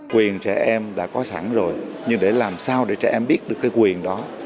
quyền trẻ em đã có sẵn rồi nhưng để làm sao để trẻ em biết được cái quyền đó